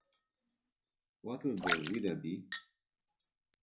What'll the Weather Be?